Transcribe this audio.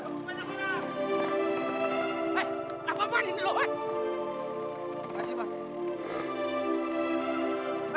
kita sudah karaoke sekali